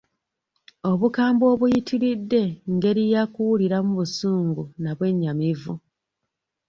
Obukambwe obuyitiridde ngeri ya kuwuliramu busungu na bwennyamivu.